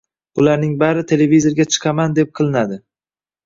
Bularning bari televizorga chiqaman, deb qilinadi